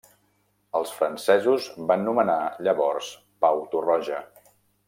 Els francesos van nomenar llavors Pau Torroja.